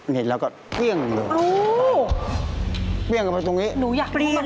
เห็นแล้วก็เครื่องเลยเปรี้ยงกันไปตรงนี้หนูอยากเรียก